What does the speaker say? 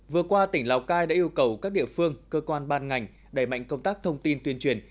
vừa qua tỉnh lào cai đã yêu cầu các địa phương cơ quan ban ngành đẩy mạnh công tác thông tin tuyên truyền